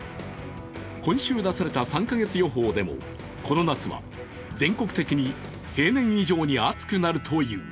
今週出された３カ月予報でもこの夏は全国的に平年以上に暑くなるという。